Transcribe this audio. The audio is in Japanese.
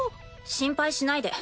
心配しないで。